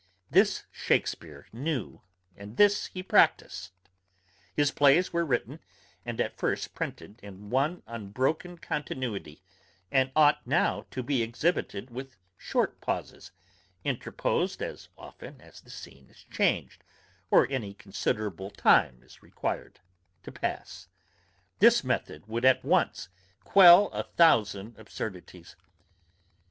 This Shakespeare knew, and this he practised; his plays were written, and at first printed in one unbroken continuity, and ought now to be exhibited with short pauses, interposed as often as the scene is changed, or any considerable time is required to pass. This method would at once quell a thousand absurdities.